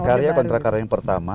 jadi itu kontrak karya yang pertama